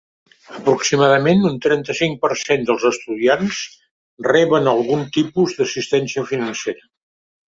Aproximadament un trenta-cinc per cent dels estudiants reben algun tipus d'assistència financera.